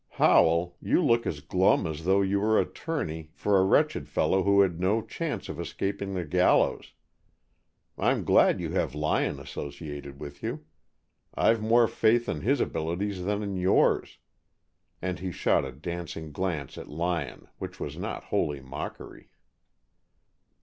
Howell, you look as glum as though you were attorney for a wretched fellow who had no chance of escaping the gallows. I'm glad you have Lyon associated with you. I've more faith in his abilities than in yours." And he shot a dancing glance at Lyon which was not wholly mockery.